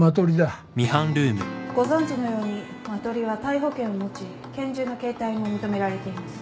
ご存じのようにマトリは逮捕権を持ち拳銃の携帯も認められています。